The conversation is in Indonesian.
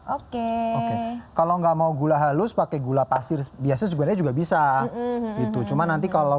oke oke kalau nggak mau gula halus pakai gula pasir biasa sebenarnya juga bisa gitu cuma nanti kalau